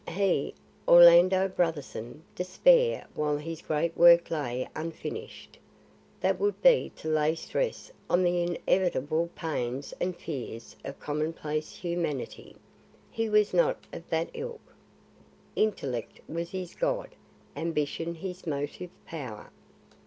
He, Orlando Brotherson, despair while his great work lay unfinished! That would be to lay stress on the inevitable pains and fears of commonplace humanity. He was not of that ilk. Intellect was his god; ambition his motive power.